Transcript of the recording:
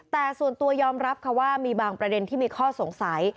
แต่ส่วนตัวยอมรับค่ะว่ามีบางประเด็นที่มีข้อสงสัย